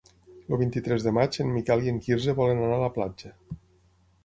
El vint-i-tres de maig en Miquel i en Quirze volen anar a la platja.